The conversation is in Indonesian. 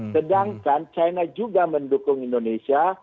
sedangkan china juga mendukung indonesia